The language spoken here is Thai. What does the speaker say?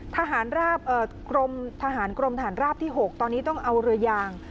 ทหารราบกรมทหารกรมฐานราบที่๖ตอนนี้ต้องเอาเรือยาง